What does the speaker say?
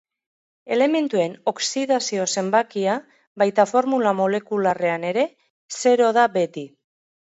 Elementuen oxidazio-zenbakia, baita forma molekularrean ere, zero da beti.